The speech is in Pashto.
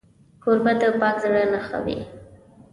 کوربه د پاک زړه نښه وي.